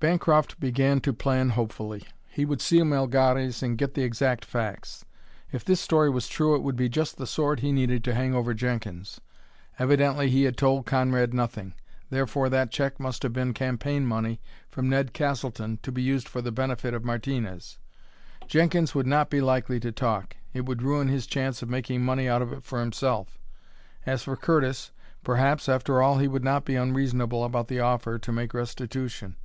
Bancroft began to plan hopefully. He would see Melgares and get the exact facts. If this story was true it would be just the sword he needed to hang over Jenkins. Evidently he had told Conrad nothing; therefore that check must have been campaign money from Ned Castleton to be used for the benefit of Martinez. Jenkins would not be likely to talk: it would ruin his chance of making money out of it himself. As for Curtis perhaps, after all, he would not be unreasonable about the offer to make restitution.